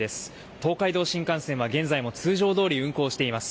東海道新幹線は現在も通常どおり運行しています。